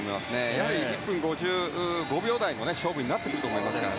やはり１分５５秒台の勝負になってくると思いますから。